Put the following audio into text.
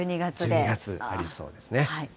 １２月、ありそうですね。